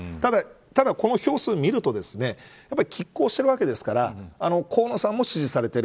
ただ、この票数を見るとやはり拮抗しているわけですから河野さんも支持されている。